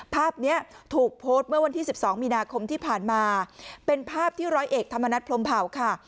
ภาพนี้ถูกโพสต์เมื่อวันที่๑๒มีนาคมที่ผ่านมาเป็นภาพที่ร้อยเอกธรรมนัฐพรมเผาค่ะ